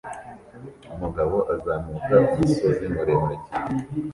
Umugabo azamuka umusozi muremure cyane